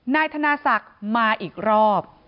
นายธนาศักดิ์มาอีกรอบ